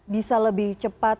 bisa lebih cepat